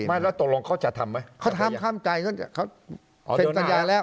ไม่แล้วตกลงเขาจะทำไหมเขาทำข้ามใจเขาเซ็นสัญญาแล้ว